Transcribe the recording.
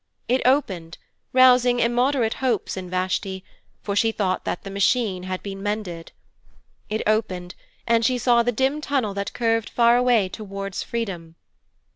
It opened, rousing immoderate hopes in Vashti, for she thought that the Machine had been mended. It opened, and she saw the dim tunnel that curved far away towards freedom.